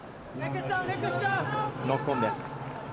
ノックオンです。